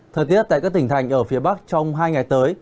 thời tiết tại các tỉnh thành ở phía bắc trong hai ngày tới